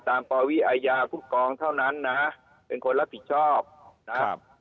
ปวิอาญาผู้กองเท่านั้นนะฮะเป็นคนรับผิดชอบนะครับ